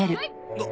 あっ。